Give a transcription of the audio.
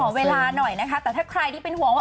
อะคอเวลาหน่อยแต่แต่ใครที่เป็นห่วงว่า